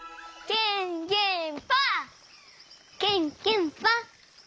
ケンケンパ。